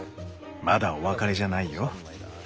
まだお別れじゃないよ。